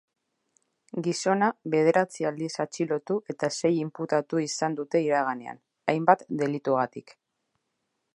Gizona bederatzi aldiz atxilotu eta sei inputatu izan dute iraganean, hainbat delitugatik.